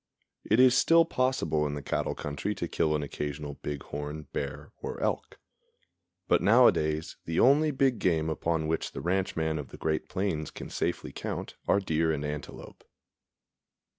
It is still possible in the cattle country to kill an occasional bighorn, bear or elk; but nowadays the only big game upon which the ranchman of the great plains can safely count are deer and antelope.